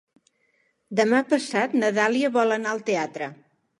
Demà passat na Dàlia vol anar al teatre.